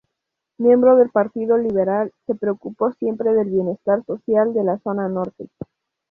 Miembro del Partido Liberal, se preocupó siempre del bienestar social de la zona norte.